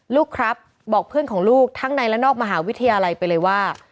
ลูกครับบอกเพื่อนของลูกทั้งในและนอกมหาวิทยาลัยไปเลยว่า